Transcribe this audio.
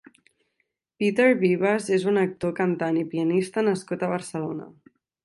Peter Vives és un actor, cantant i pianista nascut a Barcelona.